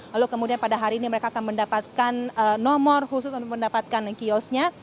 lalu kemudian pada hari ini mereka akan mendapatkan nomor khusus untuk mendapatkan kiosnya